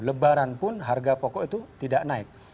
lebaran pun harga pokok itu tidak naik